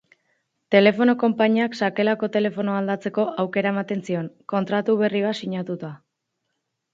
Telefono konpainiak sakelako telefonoa aldatzeko aukera ematen zion, kontratu berri bat sinatuta.